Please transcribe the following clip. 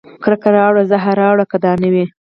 کرکه راوړه زهر راوړه که دا نه وي